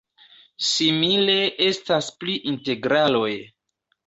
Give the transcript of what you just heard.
Simile estas pri integraloj.